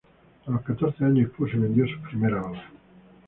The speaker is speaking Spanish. A los catorce años expuso y vendió sus primeras obras.